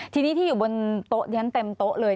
ทีนี้ที่อยู่บนโต๊ะเรียนเต็มโต๊ะเลย